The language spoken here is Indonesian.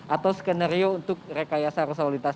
atau skenario untuk rekayasa arus lalu lintas